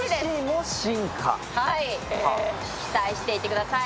期待していてください。